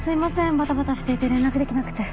バタバタしていて連絡できなくて。